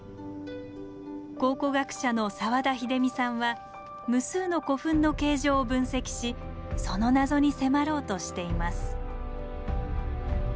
考古学者の澤田秀実さんは無数の古墳の形状を分析しその謎に迫ろうとしています。